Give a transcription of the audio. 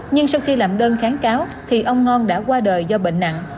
nhưng sau khi làm đơn kháng cáo thì ông ngon đã qua đời do bệnh nặng